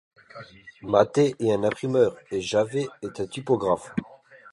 Matthey est imprimeur et Javet est typographe.